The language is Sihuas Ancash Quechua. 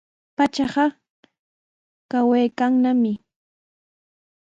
Pachaqa quyaykannami.